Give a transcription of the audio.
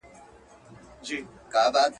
مجاهد تل د حق په سنګر کي ناست وي.